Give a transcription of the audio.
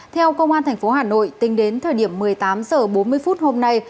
theo công an tp hà nội tính đến thời điểm một mươi tám h bốn mươi phút hôm nay